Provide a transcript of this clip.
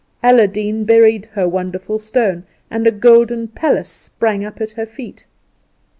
Alladeen buried her wonderful stone, and a golden palace sprung up at her feet.